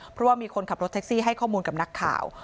เพราะว่ามีคนขับรถแท็กซี่ให้ข้อมูลกับนักข่าว